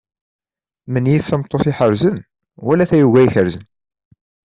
Menyif tameṭṭut iḥerzen wala tayuga ikerzen.